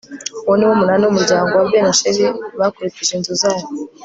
uwo ni wo munani w'umuryango wa bene asheri bakurikije inzu zabo